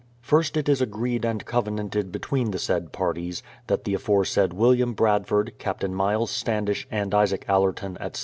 First it is agreed and covenanted between the said parties, that the aforesaid William Bradford, Captain Myles Standish, and Isaac Allerton, etc.